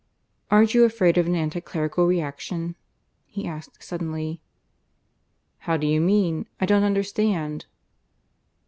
"Aren't you afraid of an anti clerical reaction?" he asked suddenly. "How do you mean? I don't understand."